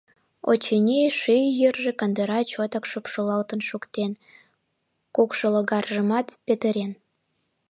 Очыни, шӱй йырже кандыра чотак шупшылалтын шуктен, кукшылогаржымат петырен.